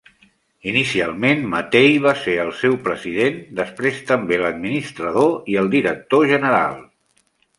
Inicialment Mattei va ser el seu president, després també l'administrador i el director general.